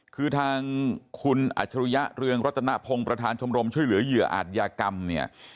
คือทางคุณอัจฉริยะเรืองรัตนพงศ์ประธานชมรมช่วยเหลือเหยื่ออาจยากรรมเนี่ย